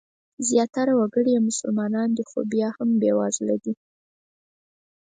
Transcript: زیاتره وګړي یې مسلمانان دي او بیا هم بېوزله دي.